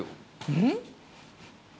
うん？